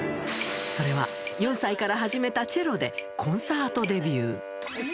それは、４歳から始めたチェロで、コンサートデビュー。